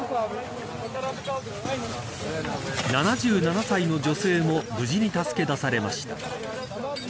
７７歳の女性も無事に助け出されました。